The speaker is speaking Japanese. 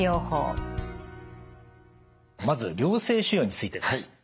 まず良性腫瘍についてです。